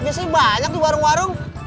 biasanya banyak tuh warung warung